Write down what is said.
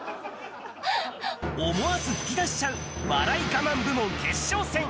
思わず噴き出しちゃう、笑いガマン部門決勝戦。